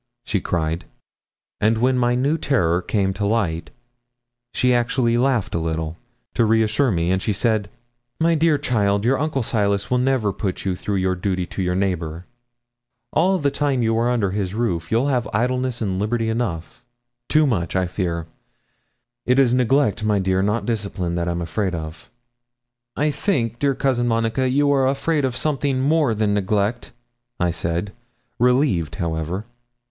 she cried. And when my new terror came to light, she actually laughed a little to reassure me, and she said 'My dear child, your uncle Silas will never put you through your duty to your neighbour; all the time you are under his roof you'll have idleness and liberty enough, and too much, I fear. It is neglect, my dear, not discipline, that I'm afraid of.' 'I think, dear Cousin Monica, you are afraid of something more than neglect,' I said, relieved, however.